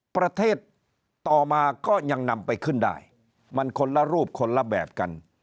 ประเทศต่อมาก็ยังนำไปขึ้นได้มันคนละรูปคนละแบบกัน